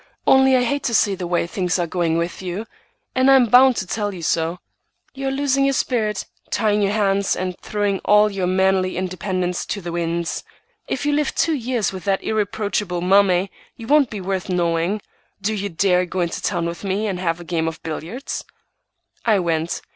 Only I hate to see the way things are going with you, and I'm bound to tell you so. You are losing your spirit, tying your hands, and throwing all your manly independence to the winds. If you live two years with that irreproachable mummy, you won't be worth knowing. Do you dare go into town with me and have a game of billiards?" I went.